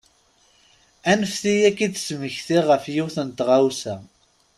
Anfet-iyi ad k-id-smektiɣ ɣef yiwet n tɣawsa.